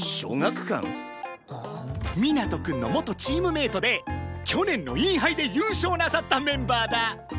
みなとくんの元チームメートで去年のインハイで優勝なさったメンバーだ。